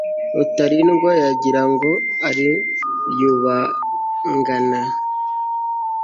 rutalindwa yagirango ariyubangana